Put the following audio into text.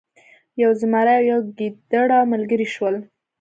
یو زمری او یو ګیدړه ملګري شول.